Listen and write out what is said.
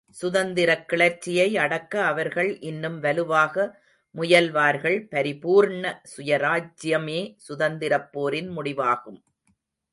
சுதந்திரக் கிளர்ச்சியை அடக்க அவர்கள் இன்னும் வலுவாக முயல்வார்கள்... பரிபூர்ண சுயராஜ்யமே சுதந்திரப் போரின் முடிவாகும்.